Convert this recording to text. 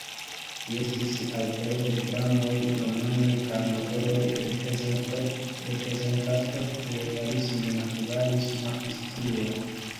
Li estis aŭtoro de dramoj, romanoj kaj noveloj, reprezentanto de realisme-naturalisma stilo.